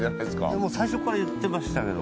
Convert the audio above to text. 最初から言ってましたけど。